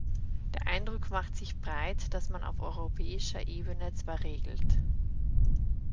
Der Eindruck macht sich breit, dass man auf europäischer Ebene zwar regelt.